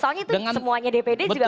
soalnya itu semuanya dpd juga